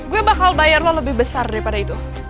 gue bakal bayar lo lebih besar daripada itu